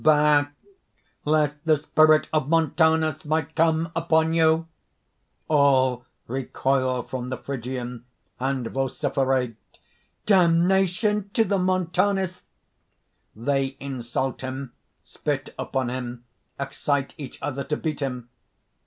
back! lest the spirit of Montanus might come upon you." ALL (recoil from the Phrygian, and vociferate) "Damnation to the Montanist!" (_They insult him, spit upon him, excite each other to beat him.